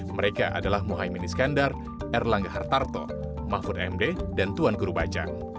mereka adalah mohaimin iskandar erlangga hartarto mahfud md dan tuan guru bajang